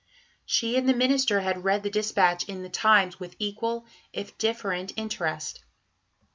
She and the Minister had read the dispatch in the Times with equal, if different, interest.